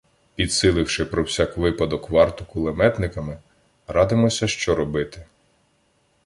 Підсиливши про всяк випадок варту кулеметниками, радимося, що робити.